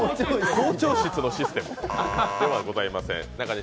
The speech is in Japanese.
校長室のシステムではございません。